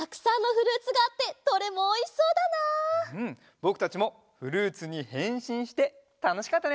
ぼくたちもフルーツにへんしんしてたのしかったね。